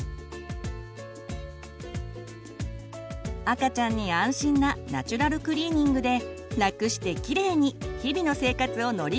赤ちゃんに安心なナチュラルクリーニングでラクしてキレイに日々の生活を乗り切っていきましょう！